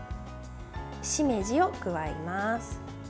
しめじを加えます。